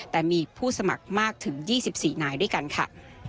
แต่มีผู้สมัครมากถึง๒๔นายด้วยกันค่ะ